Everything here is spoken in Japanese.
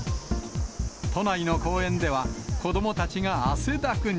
都内の公園では、子どもたちが汗だくに。